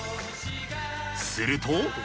すると。